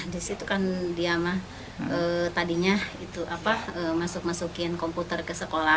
di situ kan dia mah tadinya itu apa masuk masukin komputer ke sekolah